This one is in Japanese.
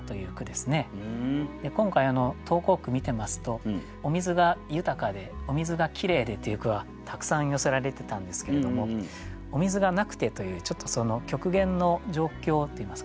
今回投稿句見てますと「お水が豊かで」「お水がきれいで」っていう句はたくさん寄せられてたんですけれども「お水がなくて」というちょっと極限の状況っていいますかね